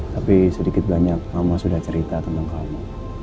tapi sedikit banyak mama sudah cerita tentang kamu